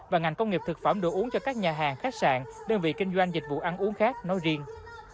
và ngành công nghiệp thực phẩm đồ uống cho các nhà hàng khách sạn đơn vị kinh doanh dịch vụ ăn uống khác nói riêng